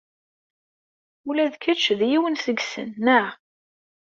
Ula d kečč d yiwen seg-sen, naɣ?!